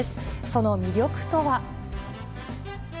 その魅力とは。